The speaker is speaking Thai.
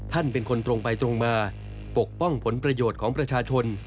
ท่านเป็นคนตรงไปตรงมาปกป้องผลประโยชน์ของประชาชน